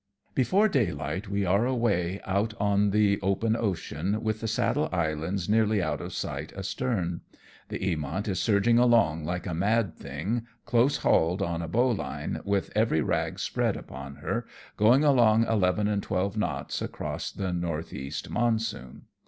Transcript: Before daylight we are away out on the open ocean with the Saddle Islands nearly out of sight astern. The Eamont is surging along like a mad thing, close hauled on a bowline, with every rag spread upon her," going along eleven and twelve knots across the north east monsoon.